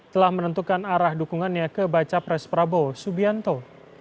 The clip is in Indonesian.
telah menentukan arah dukungannya ke baca pres prabowo subianto